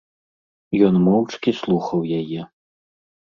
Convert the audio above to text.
Ён моўчкі слухаў яе.